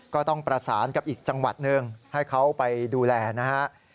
ก็ต้องประสานกับอีกจังหวัดหนึ่งให้เขาไปดูแลนะฮะ